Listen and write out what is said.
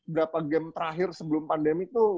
berapa game terakhir sebelum pandemi tuh